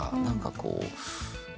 何かこう。